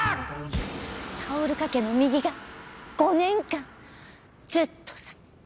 タオル掛けの右が５年間ずっと下がっ。